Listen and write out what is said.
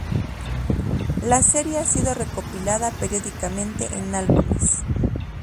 La serie ha sido recopilada periódicamente en álbumes.